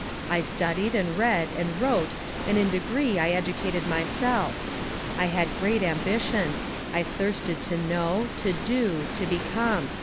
I studied and read and wrote and in degree I educated myself. I had great ambition I thirsted to know, to do, to become.